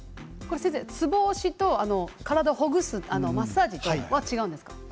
ツボ押しと体をほぐすマッサージは違うんですか？